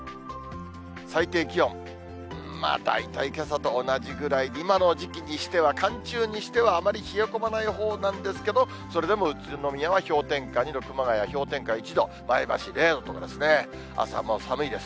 最低気温、まあ大体けさと同じぐらい、今の時期にしては、寒中にしてはあまり冷え込まないほうなんですけれども、それでも宇都宮は氷点下２度、熊谷氷点下１度、前橋０度とかですね、あすはもう寒いです。